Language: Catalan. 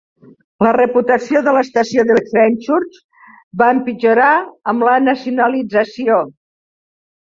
La reputació de l'estació del carrer Fenchurch va empitjorar amb la nacionalització.